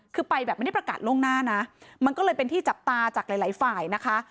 คือไปแบบไม่ได้ประกาศล่วงหน้านะมันก็เลยเป็นที่จับตาจากหลายหลายฝ่ายนะคะ